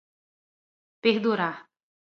perdurar